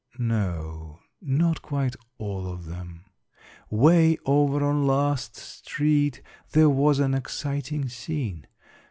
No, not quite all of them. Way over on Last street there was an exciting scene.